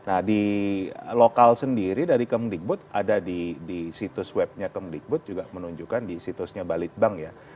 nah di lokal sendiri dari kemdikbud ada di situs webnya kemdikbud juga menunjukkan di situsnya balitbank ya